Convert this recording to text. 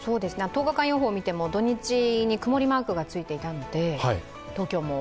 １０日間予報を見ても、土日に曇りマークがついていたので、東京も。